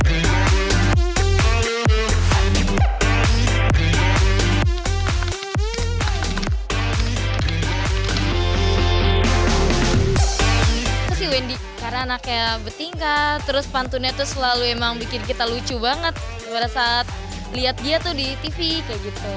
tuh wendy karena anaknya bertingkat terus pantunnya tuh selalu emang bikin kita lucu banget pada saat lihat dia tuh di tv kayak gitu